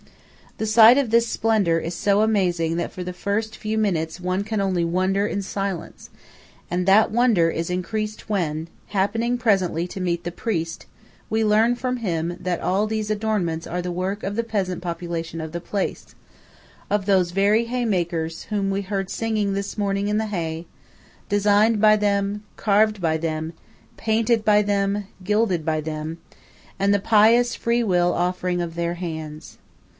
The sight of this splendour is so amazing that for the first few minutes one can only wonder in silence; and that wonder is increased when, happening presently to meet the priest, we learn from him that all these adornments are the work of the peasant population of the place–of those very haymakers whom we heard singing this morning in the hay–designed by them, carved by them, painted by them, gilded by them; and the pious free will offering of their hands.